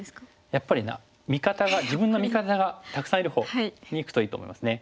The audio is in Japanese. やっぱり自分の味方がたくさんいるほうにいくといいと思いますね。